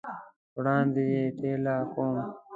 وړاندي یې ټېله کوم !